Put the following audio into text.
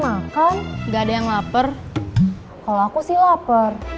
tuh udah diantar